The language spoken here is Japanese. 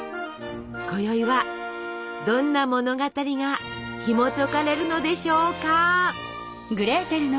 こよいはどんな物語がひもとかれるのでしょうか？